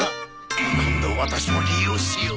今度ワタシも利用しよう。